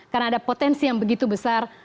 karena ada potensi yang begitu besar